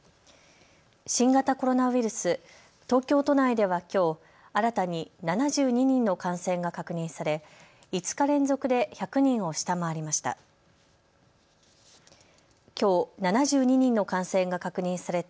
新型コロナウイルス、東京都内ではきょう新たに７２人の感染が確認され５日連続で１００人を下回りました。